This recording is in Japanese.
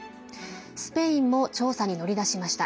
スペインも調査に乗り出しました。